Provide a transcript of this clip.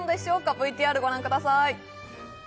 ＶＴＲご覧ください